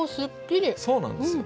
そうなんですよ。